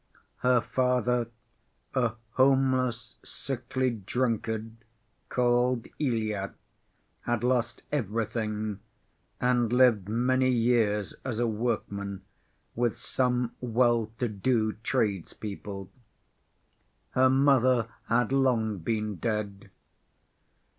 Her father, a homeless, sickly drunkard, called Ilya, had lost everything and lived many years as a workman with some well‐to‐do tradespeople. Her mother had long been dead.